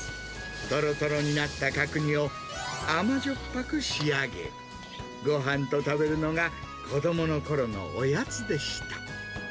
とろとろになった角煮を、甘じょっぱく仕上げ、ごはんと食べるのが子どものころのおやつでした。